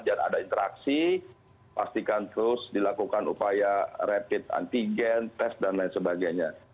ada interaksi pastikan terus dilakukan upaya rapid antigen test dan lain sebagainya